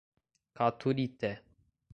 Caturité